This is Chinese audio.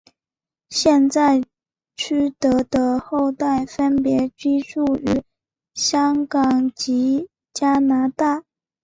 现在区德的后代分别居住于香港及加拿大。